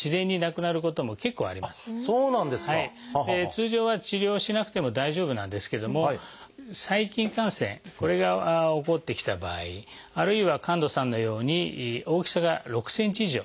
通常は治療しなくても大丈夫なんですけども細菌感染これが起こってきた場合あるいは神門さんのように大きさが６ｃｍ以上。